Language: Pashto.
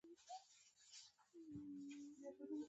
ارستو هنر د طبیعت او انسان ترمنځ اړیکه بولي